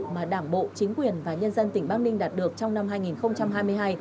mà đảng bộ chính quyền và nhân dân tỉnh bắc ninh đạt được trong năm hai nghìn hai mươi hai